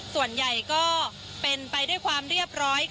ส่วนใหญ่ก็เป็นไปด้วยความเรียบร้อย